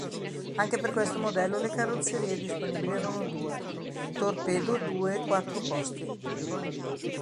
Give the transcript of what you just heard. Anche per questo modello le carrozzerie disponibili erano due, torpedo due e quattro posti.